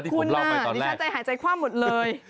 ที่ผมเล่าไปตอนแรกดิฉันใจหายใจคว่าหมดเลย